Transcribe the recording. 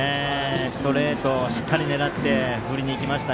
ストレートをしっかり狙って振りに行きました。